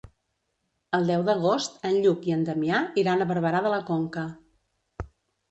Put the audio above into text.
El deu d'agost en Lluc i en Damià iran a Barberà de la Conca.